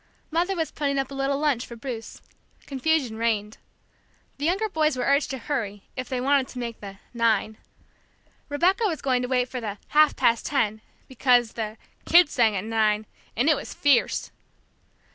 Mother was putting up a little lunch for Bruce. Confusion reigned. The younger boys were urged to hurry, if they wanted to make the "nine." Rebecca was going to wait for the "half past ten," because the "kids sang at nine, and it was fierce."